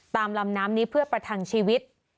ตามลำน้ำนี้เพื่อประทังชีวิต